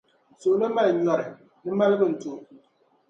Suɣulo mali nyɔri, di malibu n-to.